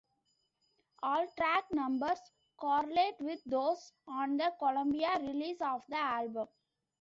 All track numbers correlate with those on the Columbia release of the album.